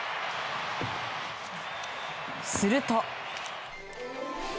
すると。